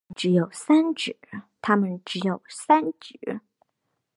它们只有三趾。